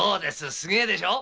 すげえでしょ